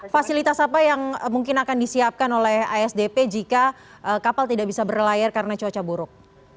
fasilitas apa yang mungkin akan disiapkan oleh asdp jika kapal tidak bisa berlayar karena cuaca buruk